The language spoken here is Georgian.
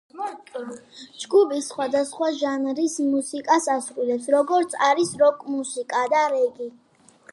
ჯგუფი სხვადასხვა ჟანრის მუსიკას ასრულებს, როგორიც არის როკ-მუსიკა და რეგი.